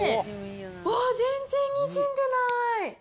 わー、全然にじんでない。